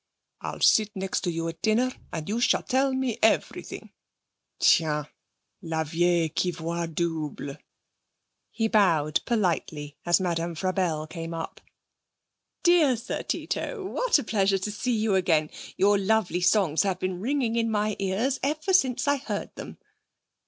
'I'll sit next to you at dinner and you shall tell me everything. Tiens! La vieille qui voit double!' He bowed politely as Madame Frabelle came up. 'Dear Sir Tito, what a pleasure to see you again! Your lovely songs have been ringing in my ears ever since I heard them!'